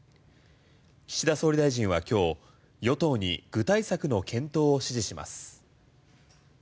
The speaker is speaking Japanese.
岸田総理大臣は今日、与党に具体策の検討を指示します。